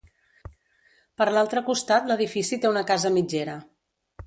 Per l'altre costat l'edifici té una casa mitgera.